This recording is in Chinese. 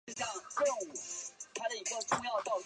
从帐篷内传来尖叫声